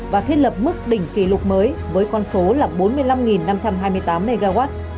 và thiết lập mức đỉnh kỷ lục mới với con số là bốn mươi năm năm trăm hai mươi tám mw